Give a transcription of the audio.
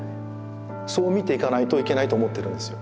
そう見ていかないといけないと思ってるんですよ。